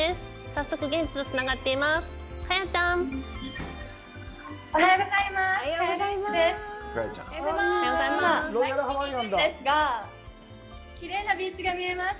早速、現地とつながっています。